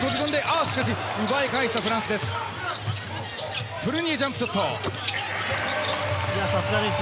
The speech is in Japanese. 奪い返したフランスです。